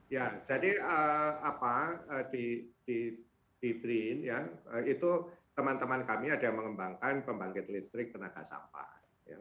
ya jadi di brin ya itu teman teman kami ada yang mengembangkan pembangkit listrik tenaga sampah